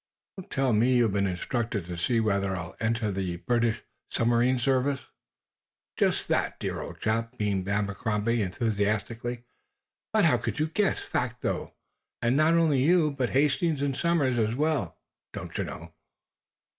"Don't tell me you've been instructed to see whether I'll enter the British submarine service." "Just that, dear old chap!" beamed Abercrombie, enthusiastically. "But how could you guess? Fact, though! And not only you, but Hastings and Somers as well, don't you know!"